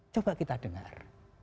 coba kita dengar